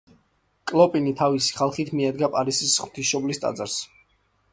კლოპინი თავისი ხალხით მიადგა პარიზის ღვთისმშობლის ტაძარს.